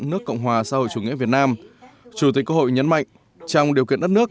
nước cộng hòa xã hội chủ nghĩa việt nam chủ tịch quốc hội nhấn mạnh trong điều kiện đất nước